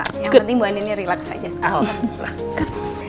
yang penting ibu aninnya relax aja